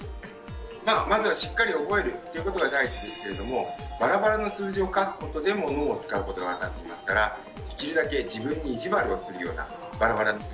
まずはしっかり覚えるっていうことが第一ですけれどもバラバラの数字を書くことでも脳を使うことが分かっていますからできるだけ自分に意地悪をするようなバラバラの数字を書いてみて下さい。